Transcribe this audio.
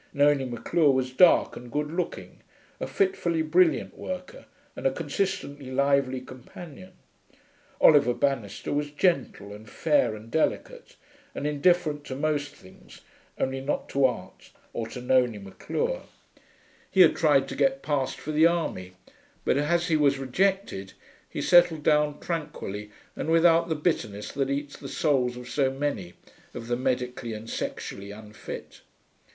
Nonie Maclure was dark and good looking, a fitfully brilliant worker, and a consistently lively companion. Oliver Banister was gentle and fair and delicate, and indifferent to most things, only not to art or to Nonie Maclure. He had tried to get passed for the army, but, as he was rejected, he settled down tranquilly and without the bitterness that eats the souls of so many of the medically and sexually unfit.